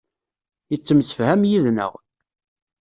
Yettemsefham yid-neɣ.